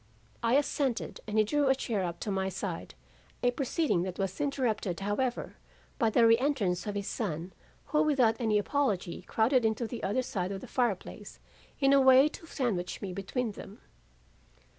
"I assented, and he drew a chair up to my side, a proceeding that was interrupted, however, by the reentrance of his son, who without any apology crowded into the other side of the fire place in a way to sandwich me between them.